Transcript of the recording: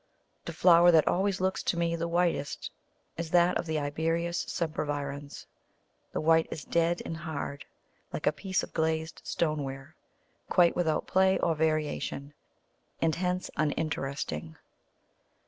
The flower that always looks to me the whitest is that of Iberis sempervirens. The white is dead and hard, like a piece of glazed stoneware, quite without play or variation, and hence uninteresting.